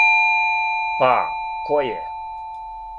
Па, које је?